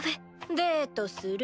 デートする。